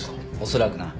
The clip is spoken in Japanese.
恐らくな。